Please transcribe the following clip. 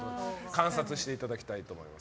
観察していただきたいと思います。